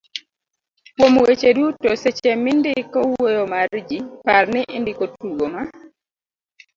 kuom weche duto, seche mindiko wuoyo mar ji, par ni indiko tugo ma